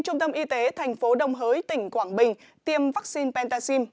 trung tâm y tế tp đồng hới tỉnh quảng bình tiêm vaccine pentaxim